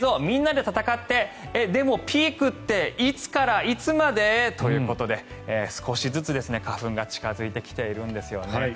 みんなで戦ってでも、ピークっていつからいつまで？ということで少しずつ花粉が近付いてきているんですよね。